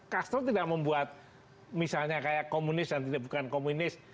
castro tidak membuat misalnya kayak komunis dan tidak bukan komunis